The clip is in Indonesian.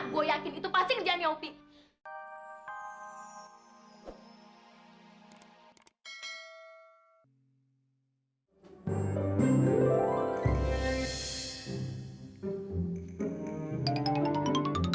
gue yakin itu pasti kerjaan yang opik